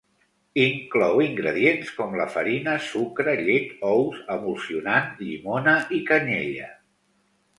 Inclou ingredients com la farina, sucre, llet, ous, emulsionant, llimona i canyella.